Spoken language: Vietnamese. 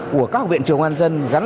của các viện trường an dân